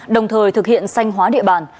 đồng thời thực hiện sanh hóa địa bàn